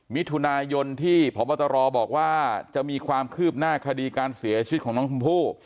มิถุนายนที่พบตรบอกว่าจะมีความคืบหน้าคดีการเสียชีวิตของน้องชมพู่